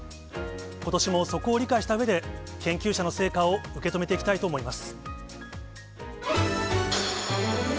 ことしもそこを理解したうえで、研究者の成果を受け止めていきたいと思います。